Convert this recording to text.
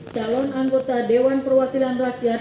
calon anggota dewan perwakilan rakyat